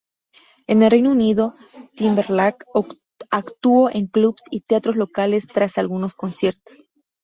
En el Reino Unido, Timberlake actuó en clubes y teatros locales tras algunos conciertos.